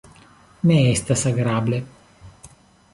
Ne estas agrable!